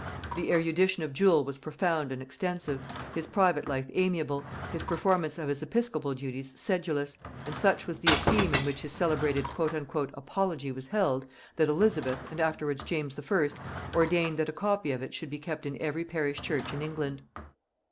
The erudition of Jewel was profound and extensive, his private life amiable, his performance of his episcopal duties sedulous; and such was the esteem in which his celebrated "Apology" was held, that Elizabeth, and afterwards James I., ordained that a copy of it should be kept in every parish church in England.